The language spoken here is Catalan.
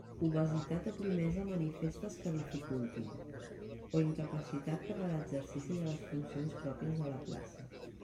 Obesitat o primesa manifestes que dificultin o incapacitat per a l'exercici de les funcions pròpies de la plaça.